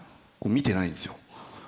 見てないんですよ。